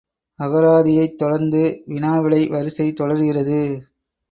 அகராதியைத் தொடர்ந்து வினா விடை வரிசை தொடர்கிறது.